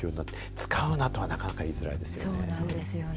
使うなとはなかなか言いづらいですね。